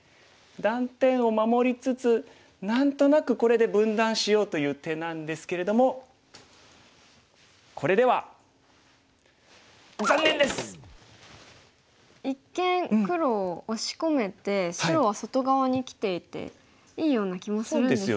断点を守りつつ何となくこれで分断しようという手なんですけれどもこれでは一見黒を押し込めて白は外側にきていていいような気もするんですが。